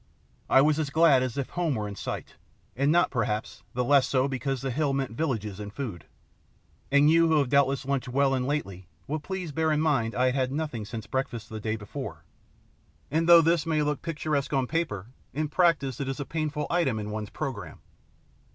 I was as glad as if home were in sight, and not, perhaps, the less so because the hill meant villages and food; and you who have doubtless lunched well and lately will please bear in mind I had had nothing since breakfast the day before; and though this may look picturesque on paper, in practice it is a painful item in one's programme.